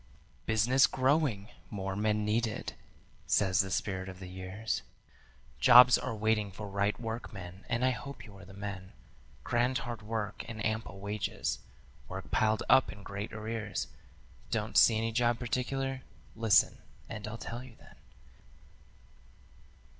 "Business growing, more men needed," says the Spirit of the Years, "Jobs are waiting for right workmen, and I hope you are the men, Grand hard work and ample wages, work piled up in great arrears 'Don't see any job particular?' Listen, and I'll tell you then.